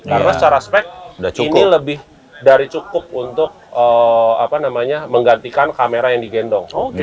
karena secara spek ini lebih dari cukup untuk menggantikan kamera yang digendong